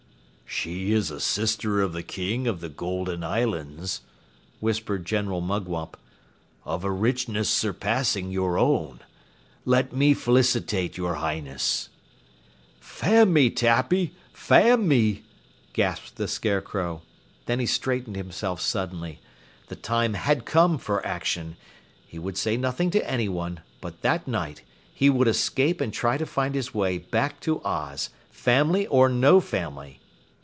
"She is a sister of the King of the Golden Islands," whispered General Mugwump. "Of a richness surpassing your own. Let me felicitate your Highness." "Fan me, Tappy! Fan me!" gasped the Scarecrow. Then he straightened himself suddenly. The time had come for action. He would say nothing to anyone, but that night he would escape and try to find his way back to Oz, family or no family!